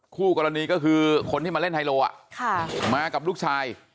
คู่กรณีก็คือคนที่มาเล่นไฮโลมากับลูกชาย